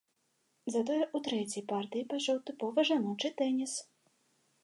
Затое ў трэцяй партыі пайшоў тыповы жаночы тэніс.